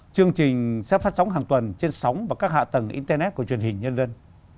chương trình sẽ phát sóng hàng tuần trên sóng và các hạ tầng internet của truyền hình nhân dân